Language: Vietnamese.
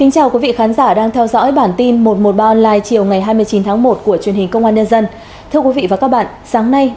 cảm ơn các bạn đã theo dõi